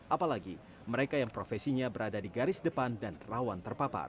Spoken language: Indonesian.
apalagi mereka yang profesinya berada di garis depan dan rawan terpapar